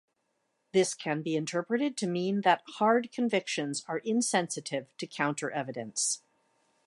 This can be interpreted to mean that hard convictions are insensitive to counter-evidence.